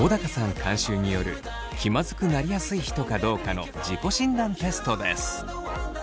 監修による気まずくなりやすい人かどうかの自己診断テストです。